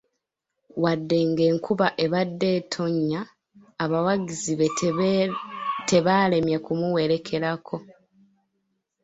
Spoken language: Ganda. Wadde ng'enkuba ebadde etonnya, abawagizi be tebalemye kumuwerekerako.